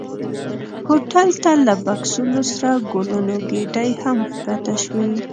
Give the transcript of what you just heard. هوټل ته له بکسونو سره ګلونو ګېدۍ هم ښکته شوې.